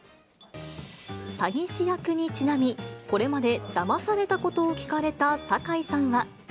詐欺師役にちなみ、これまでだまされたことを聞かれた堺さんは。